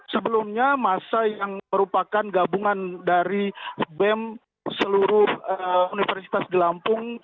sebelumnya masa yang merupakan gabungan dari bem seluruh universitas di lampung